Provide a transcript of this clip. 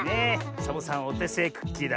サボさんおてせいクッキーだ。